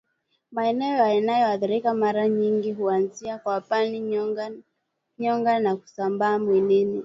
Maeneo yanayoathirika mara nyingi huanzia kwapani nyonga na kusambaa mwilini